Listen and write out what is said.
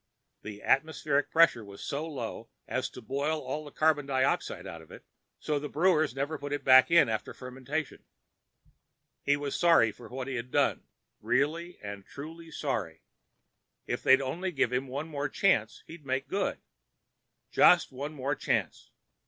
The atmospheric pressure was so low as to boil all the carbon dioxide out of it, so the brewers never put it back in after fermentation. He was sorry for what he had done—really and truly sorry. If they'd only give him one more chance, he'd make good. Just one more chance.